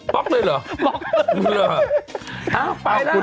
ป๊อคเลยเหรอคุณเหรอใช่ล่ะป๊อค